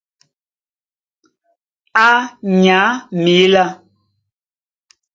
Á nyǎ mǐlá.